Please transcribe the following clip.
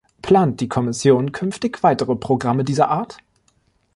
Plant die Kommission künftig weitere Programme dieser Art?